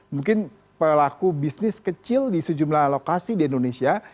mungkin pelaku bisnis kecil di sejumlah lokasi di indonesia